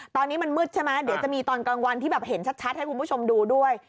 ตอนนี้มันมืดใช่ไหมเดี๋ยวจะมีตอนกลางวันที่แบบเห็นชัดให้คุณผู้ชมดูด้วย